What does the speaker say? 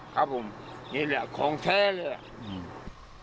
ครับผมนี่แหละของแท้เลย